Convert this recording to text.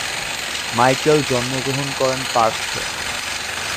Michael জন্মগ্রহণ করেন পার্থে।